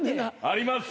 あります。